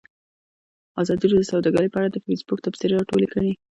ازادي راډیو د سوداګري په اړه د فیسبوک تبصرې راټولې کړي.